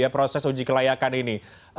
proses uji kelayakan ini